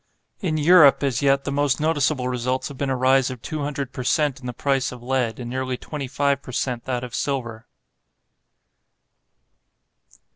In Europe, as yet, the most noticeable results have been a rise of two hundred per cent. in the price of lead, and nearly twenty five per cent. that of silver.